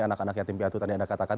anak anak yatim piatu tadi anda katakan